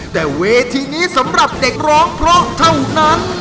แต่เวทีนี้สำหรับเด็กร้องเพราะเท่านั้น